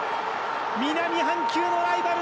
南半球のライバル